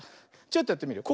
ちょっとやってみるよ。